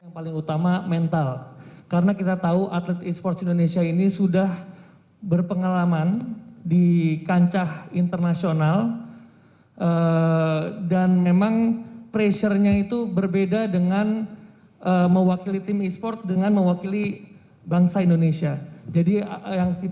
fokus adalah mental dan fisik